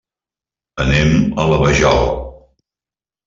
Anem a la Vajol.